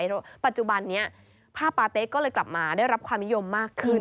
เพราะปัจจุบันนี้ผ้าปาเต๊ะก็เลยกลับมาได้รับความนิยมมากขึ้น